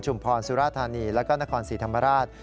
ชุมพรสุรธานีแล้วก็นครสิรธรรมรัฐ